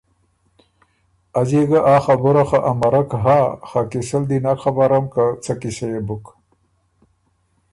از يې ګۀ آ خبُره خه امرک هۀ خه قیصه ل دی نک خبرم که څۀ قیصۀ يې بُک